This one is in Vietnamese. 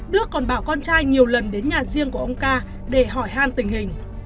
đức còn bảo con trai nhiều lần đến nhà riêng của ông ca để hỏi hàn tình hình